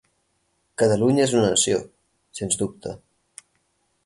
Catalunya és una nació, sens dubte.